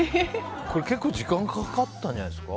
結構時間かかったんじゃないですか？